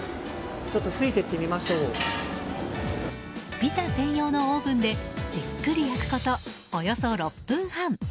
ピザ専用のオーブンでじっくり焼くことおよそ６分半。